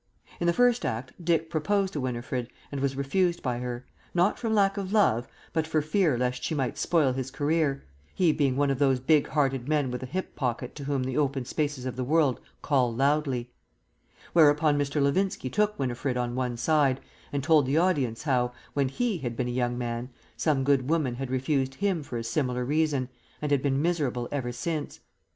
In the First Act Dick proposed to Winifred and was refused by her, not from lack of love, but for fear lest she might spoil his career, he being one of those big hearted men with a hip pocket to whom the open spaces of the world call loudly; whereupon Mr. Levinski took Winifred on one side and told the audience how, when he had been a young man, some good woman had refused him for a similar reason and had been miserable ever since.